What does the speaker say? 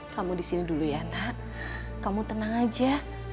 kamu disini dulu ya nak kamu tenang aja